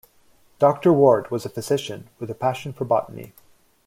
Doctor Ward was a physician with a passion for botany.